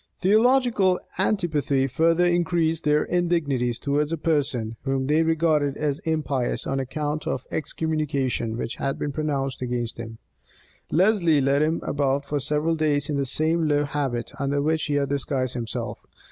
Theological antipathy further increased their indignities towards a person, whom they regarded as impious on account of the excommunication which had been pronounced against him. Lesley led him about for several days in the same low habit under which he had disguised himself.